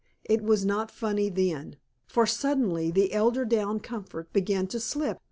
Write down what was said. It was not funny then. For suddenly the eiderdown comfort began to slip.